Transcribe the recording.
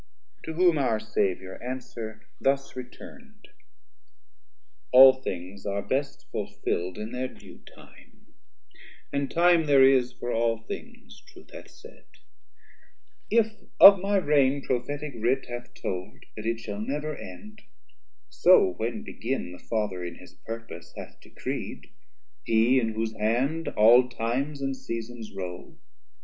180 To whom our saviour answer thus return'd. All things are best fullfil'd in thir due time, And time there is for all things, Truth hath said: If of my raign Prophetic Writ hath told That it shall never end, so when begin The Father in his purpose hath decreed, He in whose hand all times and seasons roul.